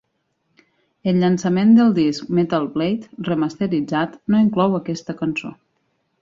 El llançament del disc Metal Blade remasteritzat no inclou aquesta cançó.